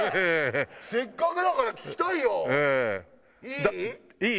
せっかくだから聴きたいよええいい？